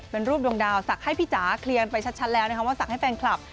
เป็นรูปดวงดาวศักดิ์ให้พี่จ๋าเคลียร์ไปชัดแล้วนะคะว่าศักดิ์ให้แฟนคลับ